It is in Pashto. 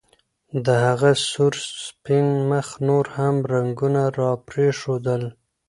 د هغه سور سپین مخ نور هم رنګونه راپرېښودل